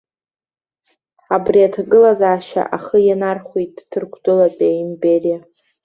Абри аҭагылазаашьа ахы ианархәеит ҭырқәтәылатәи аимпериа.